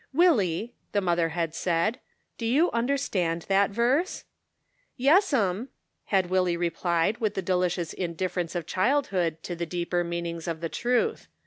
" Willie," the mother had said, " do you understand that verse ?" ""Yes'rii," had Willy replied with the de licious indifference of childhood to the deeper meanings of the truth.